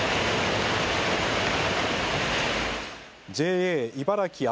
ＪＡ茨城旭